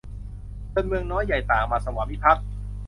จนเมืองน้อยใหญ่ต่างมาสวามิภักดิ์